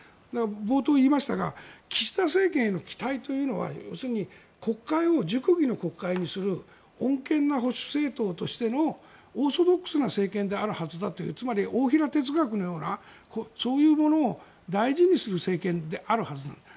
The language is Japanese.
冒頭言いましたが岸田政権への期待というのは要するに国会を熟議の国会にする穏健な保守政党としてのオーソドックスな政権であるというつまり大平哲学のようなそういうものを大事にする政権であるはずなんです。